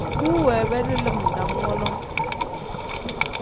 Bu weebedi lim dam wonoo.